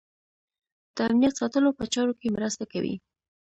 د امنیت ساتلو په چارو کې مرسته کوي.